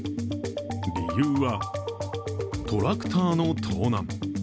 理由は、トラクターの盗難。